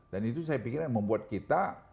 dan itu saya pikirnya membuat kita